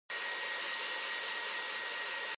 話較濟貓仔毛